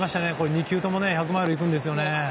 ２球とも１００マイルいくんですよね。